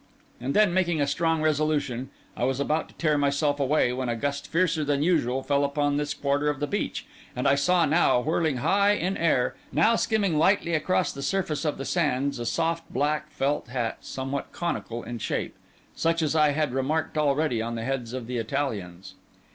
And then, making a strong resolution, I was about to tear myself away, when a gust fiercer than usual fell upon this quarter of the beach, and I saw now, whirling high in air, now skimming lightly across the surface of the sands, a soft, black, felt hat, somewhat conical in shape, such as I had remarked already on the heads of the Italians.